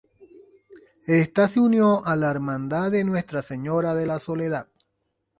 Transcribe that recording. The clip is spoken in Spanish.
Esta se unió a la Hermandad de Nuestra Señora de la Soledad.